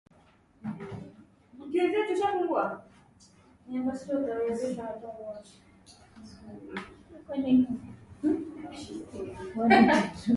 Utawala wa kijeshi ulikamata mamlaka katika mapinduzi ya Januari dhidi ya Rais Roch Kabore.